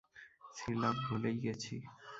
ছিলাম, ভুলেই গেছি।